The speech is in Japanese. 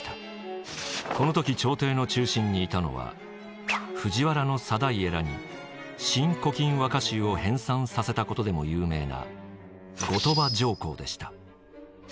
この時朝廷の中心にいたのは藤原定家らに「新古今和歌集」を編纂させたことでも有名な後鳥羽上皇でした。